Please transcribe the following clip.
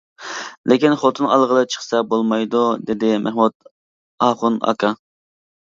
لېكىن خوتۇن ئالغىلى چىقسا بولمايدۇ دېدى مەخمۇت ئاخۇن ئاكا.